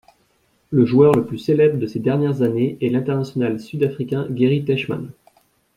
Le joueur le plus célèbre de ces dernières années est l'international sud-africain Gary Teichmann.